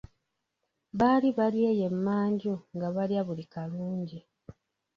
Baali bali eyo e manju nga balya buli kalungi.